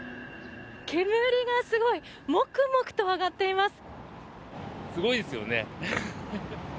煙がすごい。モクモクと上がっています。